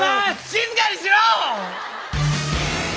静かにしろ！